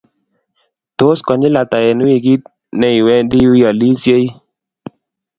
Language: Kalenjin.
Tos konyil ata eng wikit ne iwendi wi alisiei